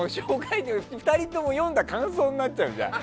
２人とも読んだ感想になっちゃうじゃん。